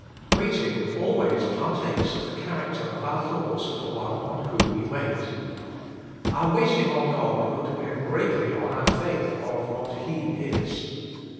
WAITING always partakes of the character of our thoughts of the one on whom we wait. Our waiting on God will depend greatly on our faith of what He is.